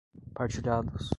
partilhados